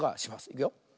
いくよ。